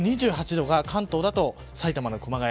２８度が関東だと埼玉の熊谷。